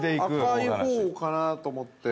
◆赤いほうかなと思って。